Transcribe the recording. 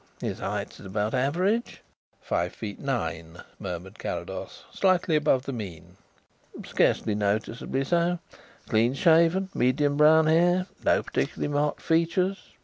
His height is about average " "Five feet nine," murmured Carrados. "Slightly above the mean." "Scarcely noticeably so. Clean shaven. Medium brown hair. No particularly marked features.